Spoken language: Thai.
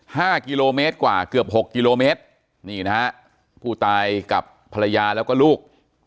ห้ากิโลเมตรกว่าเกือบหกกิโลเมตรนี่นะฮะผู้ตายกับภรรยาแล้วก็ลูก